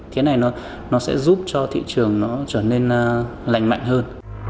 thế này nó sẽ giúp cho thị trường nó trở nên lành mạnh hơn